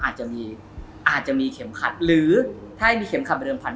แล้วอาจจะมีเข็มขัดหรือถ้าให้มีเข็มขัดเป็นเดิมพันธุ์